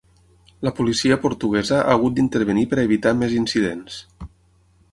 La policia portuguesa ha hagut d’intervenir per a evitar més incidents.